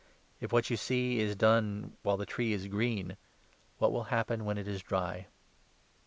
If what you see is done while the tree is green, what will happen when it is dry?